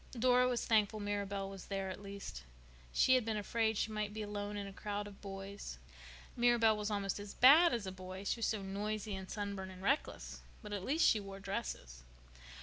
Dora was thankful Mirabel was there, at least. She had been afraid she would be alone in a crowd of boys. Mirabel was almost as bad as a boy—she was so noisy and sunburned and reckless. But at least she wore dresses.